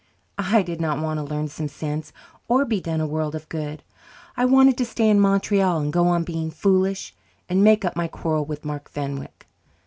I did not want to learn sense or be done a world of good; I wanted to stay in Montreal and go on being foolish and make up my quarrel with Mark Fenwick.